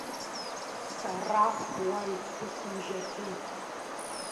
Сара уаҩы дсымжьаӡеит.